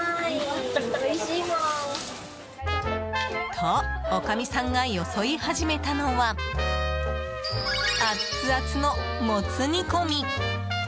と、女将さんがよそい始めたのはアツアツのもつ煮込。